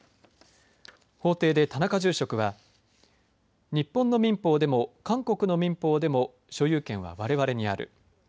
法廷で田中住職は日本の民法でも韓国の民法でも所有権は、われわれにある。